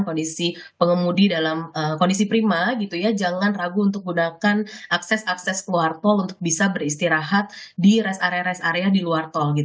jadi pengguna jalan ini harus berhenti di jalan tol